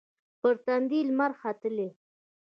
پر تندې یې لمر ختلي